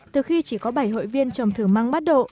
từ khi chỉ có bảy hội viên trồng thử măng bắt độ